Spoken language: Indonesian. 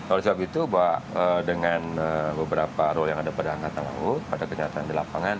oleh sebab itu bahwa dengan beberapa role yang ada pada angkatan laut pada kenyataan di lapangan